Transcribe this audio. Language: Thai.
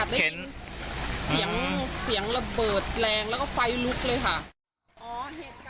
ได้ยินเสียงเสียงระเบิดแรงแล้วก็ไฟลุกเลยค่ะอ๋อเหตุการณ์